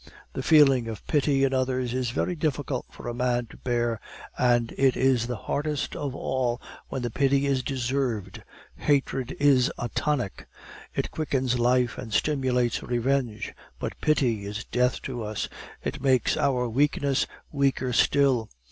The feeling of pity in others is very difficult for a man to bear, and it is hardest of all when the pity is deserved. Hatred is a tonic it quickens life and stimulates revenge; but pity is death to us it makes our weakness weaker still.